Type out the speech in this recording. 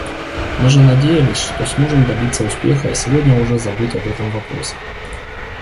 Мы же надеялись, что сможем добиться успеха и сегодня уже забыть об этом вопросе.